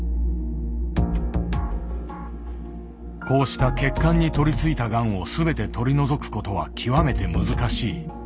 こうした血管に取りついたがんを全て取り除くことは極めて難しい。